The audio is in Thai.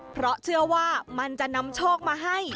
เพราะเชื่อว่ามันจะนำโชคมาให้